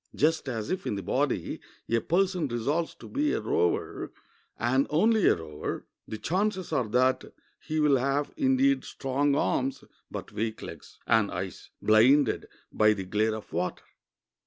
Just as if, in the body, a person resolves to be a rower, and only a rower, the chances are that he will have, indeed, strong arms, but weak legs, and eyes blinded by the glare of water.